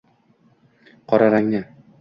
qora rangni